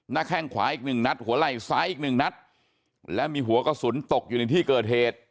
นักแห้งขวาอีก๑นัทหัวไล่ซ้ายอีก๑นัทและมีหัวกระสุนตกอยู่ในที่เกิดเหตุ